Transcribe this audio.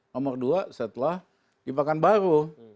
nomor dua setelah dipakan baru